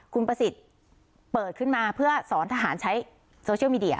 คุณประสิทธิ์เปิดขึ้นมาเพื่อสอนทหารใช้โซเชียลมีเดีย